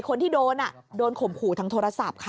คนที่โดนโดนข่มขู่ทางโทรศัพท์ค่ะ